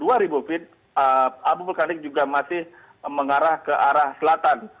dan di ketinggian dua ribu feet abu vulkanis juga masih mengarah ke arah selatan